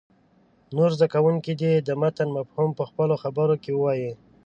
نور زده کوونکي دې د متن مفهوم په خپلو خبرو کې ووایي.